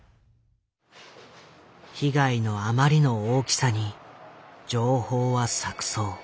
被害のあまりの大きさに情報は錯綜。